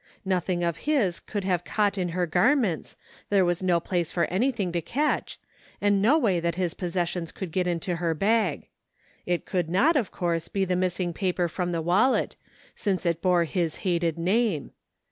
Nothing of his could have caught in her garments, there was no place for any thing to catch, and no way that his possessions could get into her bag. It could not, of course, be the missing paper from the wallet, since it bore his hated name.